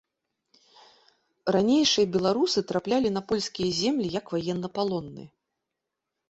Ранейшыя беларусы траплялі на польскія землі як ваеннапалонныя.